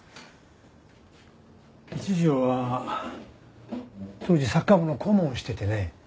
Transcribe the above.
一条は当時サッカー部の顧問をしててね。